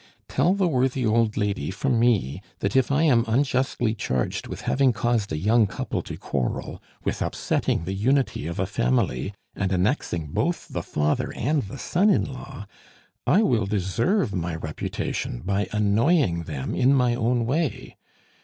Tell the worthy old lady from me, that if I am unjustly charged with having caused a young couple to quarrel, with upsetting the unity of a family, and annexing both the father and the son in law, I will deserve my reputation by annoying them in my own way!